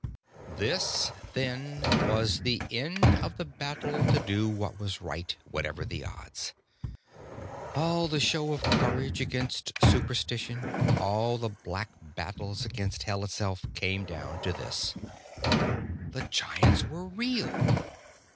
This, then, was the end of the battle to do what was right, whatever the odds. All the show of courage against superstition, all the black battles against Hell itself, came down to this: _The Giants were real!